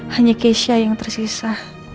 hanya gesya yang tersisa